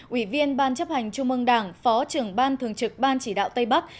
ủy viên ban chấp hành trung ương đảng phó trưởng ban thường trực ban chỉ đạo tây bắc